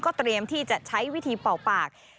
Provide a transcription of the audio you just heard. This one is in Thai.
เตรียมที่จะใช้วิธีเป่าปาก